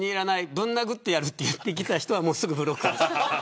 ぶん殴ってやると言ってきた人はすぐブロックです。